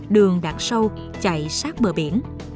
đường đặt sâu chạy sát bờ biển